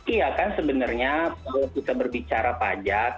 iya kan sebenarnya kalau kita berbicara pajak